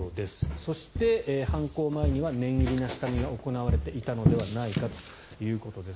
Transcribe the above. そして、犯行前には念入りな下見が行われていたのではないかということです。